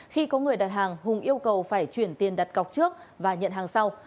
khi có người đặt hàng hùng yêu cầu phải chuyển tiền đặt cọc trước và nhận hàng sau